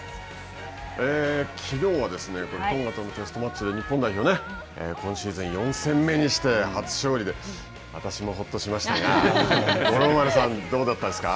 きのうは、トンガとのテストマッチで、日本代表、今シーズン４戦目にして初勝利で、私もほっとしましたが、五郎丸さん、どうだったですか。